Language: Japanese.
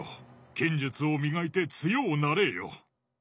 剣術を磨いて強おなれぇよ。